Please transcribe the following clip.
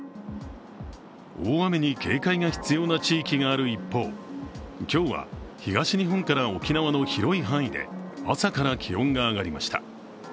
大雨に警戒が必要な地域がある一方、今日は東日本から沖縄の広い範囲で朝から気温が上がりました。